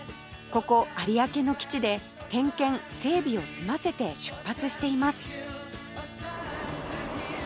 ここ有明の基地で点検整備を済ませて出発しています